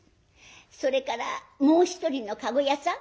それからもう一人の駕籠屋さん